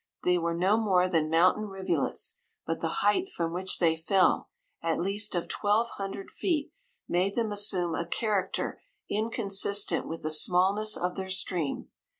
They were no more than mountain rivulets, but. the height from which they fell, at least of twelve hundred feet^ made them assume a character inconsistent with the smallness of their stream.